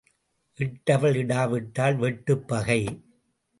இட்டவள் இடா விட்டால் வெட்டுப் பகை.